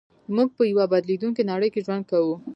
موږ په يوه بدلېدونکې نړۍ کې ژوند کوو.